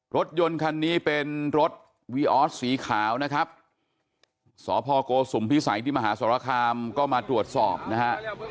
รถยนต์คันนี้เป็นรถวีออสสีขาวนะครับสพโกสุมพิสัยที่มหาสรคามก็มาตรวจสอบนะฮะ